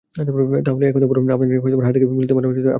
তা হলে এক কথায় বলুন, আপনাদের হাট থেকে বিলিতি মাল আপনারা সরাবেন না?